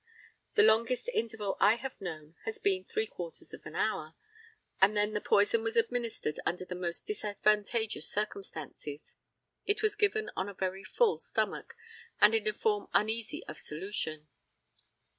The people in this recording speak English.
The longest interval I have known has been three quarters of an hour, and then the poison was administered under most disadvantageous circumstances. It was given on a very full stomach and in a form uneasy of solution.